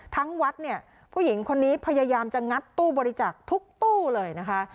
วัดเนี่ยผู้หญิงคนนี้พยายามจะงัดตู้บริจาคทุกตู้เลยนะคะ